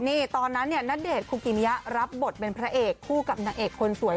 นี่ตอนนั้นเนี่ยณเดชนคุกิมิยะรับบทเป็นพระเอกคู่กับนางเอกคนสวย